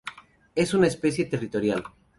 Es una especie territorial.